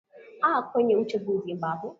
aa kwenye uchaguzi ambapo